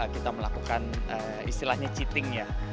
kita melakukan istilahnya cheating ya